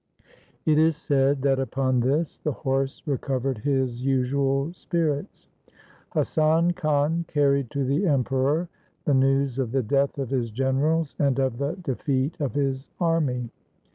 It is said that upon this the horse recovered his usual spirits. Hasan Khan carried to the 'Emperor the news of the death of his generals and of the defeat of his army.